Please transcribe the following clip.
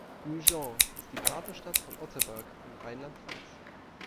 Gueugnon ist die Partnerstadt von Otterberg in Rheinland-Pfalz.